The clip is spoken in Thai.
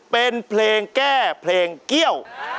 เป็นเพลงแก้เพลงเกี้ยว